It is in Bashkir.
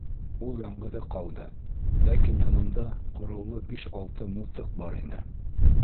Ул яңғыҙы ҡалды, ләкин янында ҡороулы биш-алты мылтыҡ бар ине.